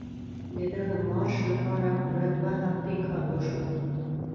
د دغه مارش لپاره پوره دوه هفتې کار وشو.